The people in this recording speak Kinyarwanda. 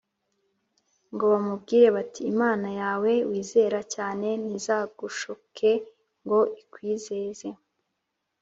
ngo bamubwire bati «Imana yawe wizera cyane ntizagushuke ngo ikwizeze,